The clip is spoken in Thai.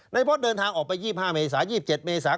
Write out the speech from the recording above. พศเดินทางออกไป๒๕เมษา๒๗เมษา